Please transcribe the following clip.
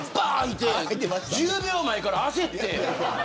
１０秒前から焦って。